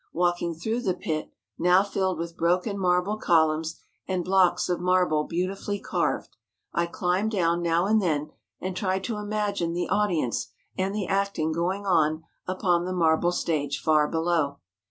Walking through the pit, now filled with broken marble columns and blocks of marble beautifully carved, I climbed down now and then and tried to imagine the audience and the acting going on upon the marble stage far below.